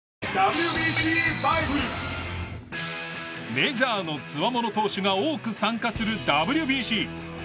メジャーのつわもの投手が多く参加するＷＢＣ。